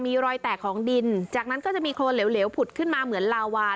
มีรอยแตกของดินจากนั้นก็จะมีโครนเหลวผุดขึ้นมาเหมือนลาวา